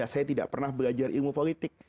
saya tidak pernah belajar ilmu politik